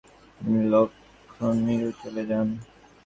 তিনি লখনউ চলে যান।